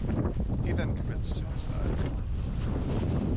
He then commits suicide.